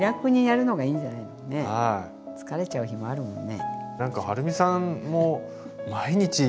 疲れちゃう日もあるもんね。